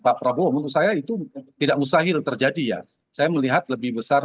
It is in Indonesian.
pak prabowo menurut saya itu tidak mustahil terjadi ya saya melihat lebih besar